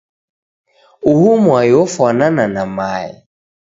uhu mwai ofwanana na mae.